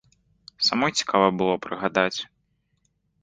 Самой цікава было прыгадаць.